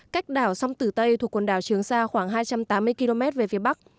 cách đảo sông tử tây thuộc quần đảo trường sa khoảng hai trăm tám mươi km về phía bắc